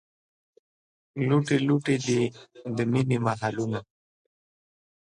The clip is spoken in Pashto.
لوټې لوټې دي، د مینې محلونه